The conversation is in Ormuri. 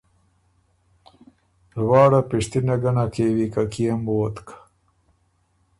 لواړه پِشتِنه ګۀ نک کېوی که کيې م ووتک؟